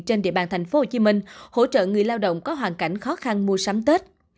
trên địa bàn tp hcm hỗ trợ người lao động có hoàn cảnh khó khăn mua sắm tết